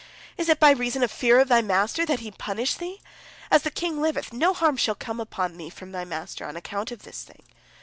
Is it by reason of fear of thy master, that he punish thee? As the king liveth, no harm shall come upon thee from thy master on account of this thing.